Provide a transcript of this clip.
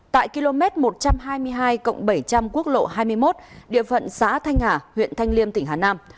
tại km một trăm hai mươi hai bảy trăm linh quốc lộ hai mươi một địa phận xã thanh hà huyện thanh liêm tỉnh hà nam